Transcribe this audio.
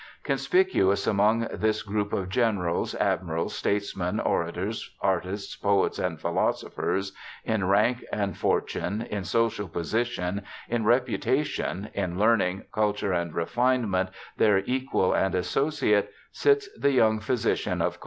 Conspicuous amidst this group of generals, admirals, states men, orators, artists, poets, and philosophers, — in rank and fortune, in social position, in reputation, in learning, culture, and refinement, their equal and associate, sits the young physician of Cos.